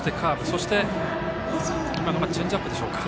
そして、今のはチェンジアップでしょうか。